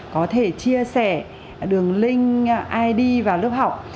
có thể chia sẻ đường link id vào lớp học